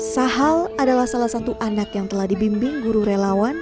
sahal adalah salah satu anak yang telah dibimbing guru relawan